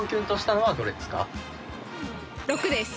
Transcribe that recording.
６です。